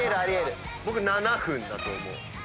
僕７分⁉だと思う。